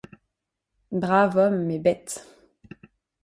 Brave homme, mais bête!